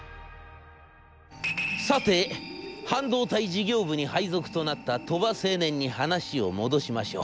「さて半導体事業部に配属となった鳥羽青年に話を戻しましょう。